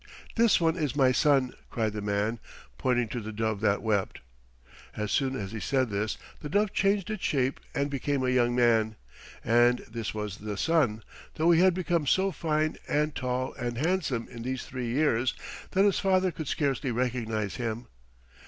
"This one is my son," cried the man, pointing to the dove that wept. As soon as he said this the dove changed its shape and became a young man, and this was the son, though he had become so fine and tall and handsome in these three years that his father could scarcely recognize him.